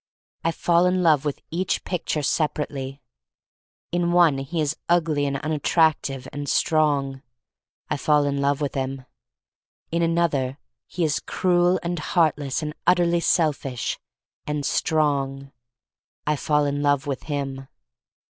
I fall in love with each picture separately. In one he is ugly and unattractive — and strong. I fall in love with him. . In another he is cruel and heartless and utterly selfish — and strong. I fall in love with him.